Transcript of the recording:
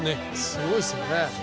すごいですよね。